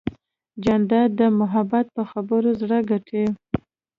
جانداد د محبت په خبرو زړه ګټي.